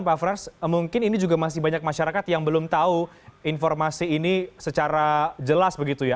pak frans mungkin ini juga masih banyak masyarakat yang belum tahu informasi ini secara jelas begitu ya